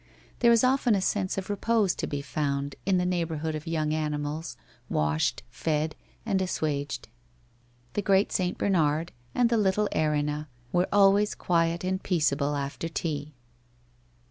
There is often a sense of repose to be found in the neighbourhood of young animals, washed, fed, and assuaged. The great St. Bernard and the little Erinna were always quiet and peace able after tea.